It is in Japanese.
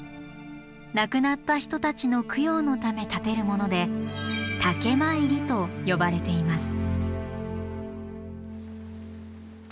亡くなった人たちの供養のため立てるもので「岳参り」と呼ばれています。